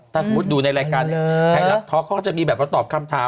ถ้าสมมุติดูในรายการไทยรัฐท็อกเขาก็จะมีแบบมาตอบคำถาม